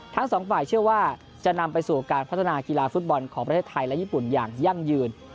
ทั้งสองฝ่ายเชื่อว่าจะนำไปสู่การพัฒนากีฬาฟุตบอลของประเทศไทยและญี่ปุ่นอย่างยั่งยืน